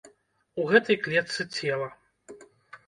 У гэтай клетцы цела.